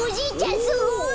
すごい！